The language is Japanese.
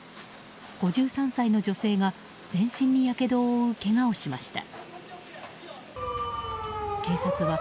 ５３歳の女性が全身にやけどを負うけがをしました。